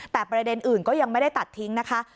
แต่ประเด็นอื่นก็ยังไม่ได้ตัดทิ้งนะคะ